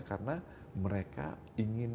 karena mereka ingin